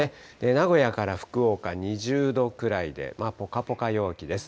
名古屋から福岡、２０度くらいでぽかぽか陽気です。